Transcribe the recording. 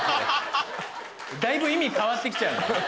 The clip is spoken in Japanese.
だいぶ意味変わってきちゃうんでね。